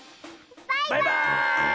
バイバーイ！